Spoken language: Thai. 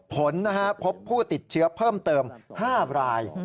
ผลพบผู้ติดเชื้อเพิ่มเติม๕ราย